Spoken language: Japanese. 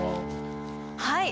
はい。